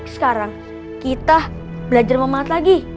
sekarang kita belajar memahat lagi